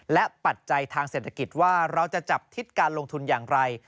และปัจจัยทางเศรษฐกิจว่าเราจะจับทิศการลงทุนอย่างไร